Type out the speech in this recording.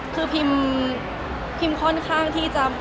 คือพิมพิมค่อนข้างที่จะ